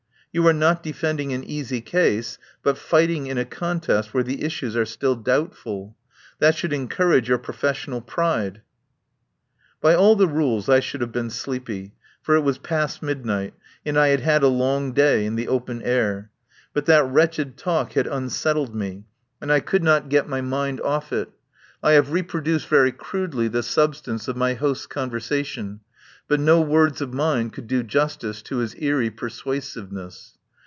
You are not defending an easy case, but fighting in a contest where the issues are still doubtful. That should en courage your professional pride ..." By all the rules I should have been sleepy, for it was past midnight, and I had had a long day in the open air. But that wretched talk had unsettled me, and I could not get my 80 TELLS OF A MIDSUMMER NIGHT mind off it. I have reproduced very crudely the substance of my host's conversation, but no words of mine could do justice to his eery persuasiveness.